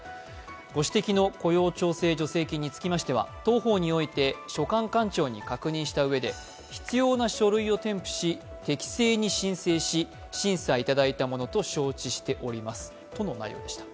ご指摘の雇用調整助成金につきましては当方おいて所管官庁に確認したうえで必要な書類を添付し、適性に申請し審査いただいたものと承知しております、との内容でした。